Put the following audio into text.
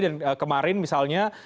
dan kemarin misalnya